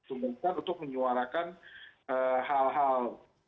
untuk menyuarakan hal hal